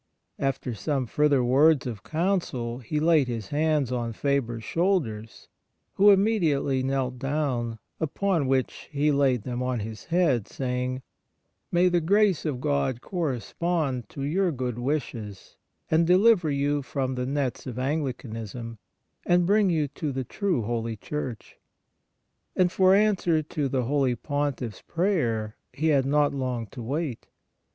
After some further words of counsel, he laid his hands on Faber's shoulders, who immediately knelt down, upon which he laid them on his head, saying :' May the grace of God correspond to your good wishes and deliver you from the nets of Anglicanism, and bring you to the true holy Church.' And for answer to the holy Pontiff's prayer he had not long to wait.